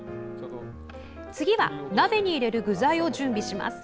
次は、鍋に入れる具材を準備します。